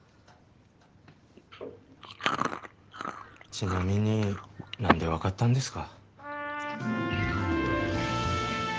ちなみになんで分かったんですか？